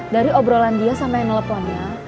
dari obrolan dia sama yang teleponnya